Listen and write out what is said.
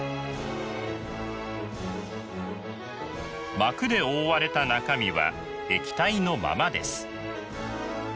膜で覆われた中身は液体のままです。